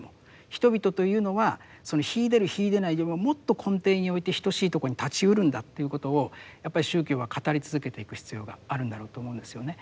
人々というのは秀でる秀でないよりももっと根底において等しいとこに立ちうるんだということをやっぱり宗教は語り続けていく必要があるんだろうと思うんですよね。